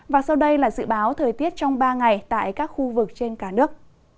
và sau đây là dự báo thời tiết trong ba ngày tại các khu vực trên cả nước